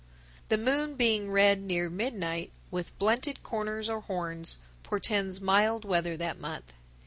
The moon being red near midnight, with blunted corners or horns, portends mild weather that month.